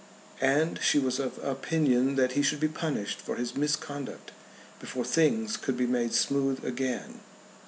And she was of opinion that he should be punished for his misconduct before things could be made smooth again.